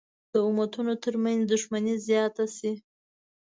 د امتونو تر منځ دښمني زیاته شي.